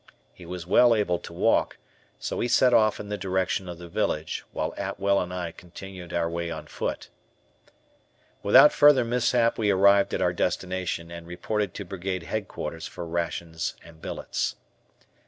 He was well able to walk, so he set off in the direction of the village, while Atwell and I continued our way on foot. Without further mishap we arrived at our destination, and reported to Brigade Headquarters for rations and billets.